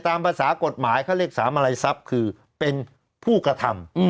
ตามภาษากฎหมายเขาเรียกสามมาลัยทรัพย์คือเป็นผู้กระทำ